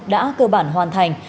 đã cơ bản hoàn thành